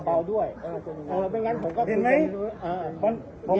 ไม่ได้ยินบทว่ามีตะโภ้ก่อน